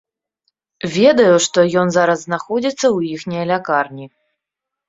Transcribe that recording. Ведаю, што ён зараз знаходзіцца ў іхняй лякарні.